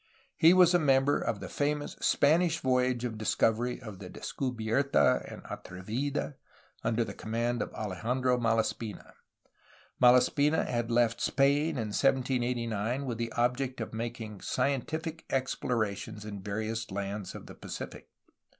He was a member of the famous Spanish voyage of discovery of the Descuhierta and Atrevida, under the command of Alejandro Malaspina. Malaspina had left Spain in 1789 with the object of making scientific explora tions in various lands of the Pacific.